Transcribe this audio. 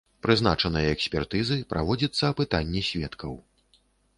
Прызначаныя экспертызы, праводзіцца апытанне сведкаў.